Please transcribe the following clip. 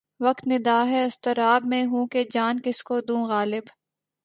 وقت نِدا ہے اضطراب میں ہوں کہ جان کس کو دوں غالب